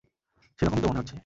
সেরকমই তো মনে হচ্ছে।